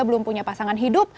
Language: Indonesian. belum punya pasangan hidup